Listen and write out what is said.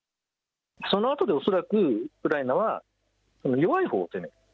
そのあとで恐らくウクライナは弱いほうを攻める。